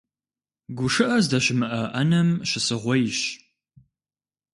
ГушыӀэ здэщымыӀэ Ӏэнэм щысыгъуейщ.